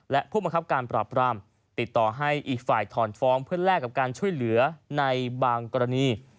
และผู้บังคับการปราบรามติดต่อให้อีกฝ่ายถอนฟ้องเพื่อแลกกับการช่วยเหลือในบางกรณี